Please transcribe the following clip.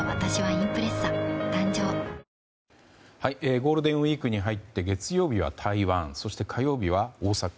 ゴールデンウィークに入って、月曜日は台湾そして、火曜日は大阪。